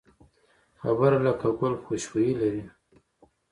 خبره لکه ګل خوشبويي لري